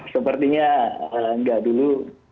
sepertinya nggak dulu